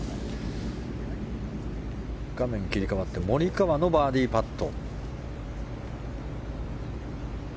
画面が切り替わってモリカワのバーディーパット。